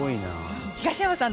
東山さん